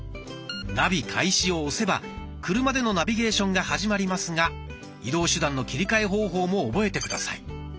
「ナビ開始」を押せば車でのナビゲーションが始まりますが移動手段の切り替え方法も覚えて下さい。